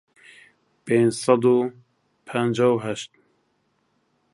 پێنج سەد و پەنجا و هەشت